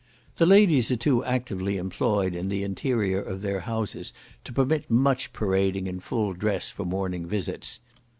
The ladies are too actively employed in the interior of their houses to permit much parading in full dress for morning visits.